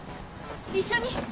一緒に！